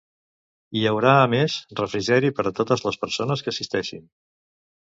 Hi haurà, a més, refrigeri per a totes les persones que assisteixin.